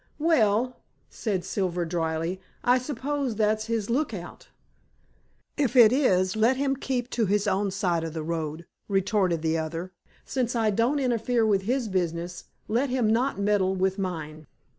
"Well," said Silver dryly, "I suppose that's his look out." "If it is, let him keep to his own side of the road," retorted the other. "Since I don't interfere with his business, let him not meddle with mine."